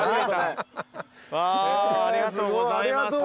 ありがとうございます。